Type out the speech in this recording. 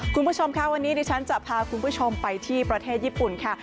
คุณผู้ชมค่ะวันนี้ดิฉันจะพาคุณผู้ชมไปที่ประเทศญี่ปุ่นค่ะ